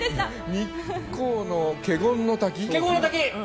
日光の華厳ノ滝？